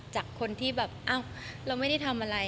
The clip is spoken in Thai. จากคนที่แบบอ้าวเราไม่ได้ทำอะไร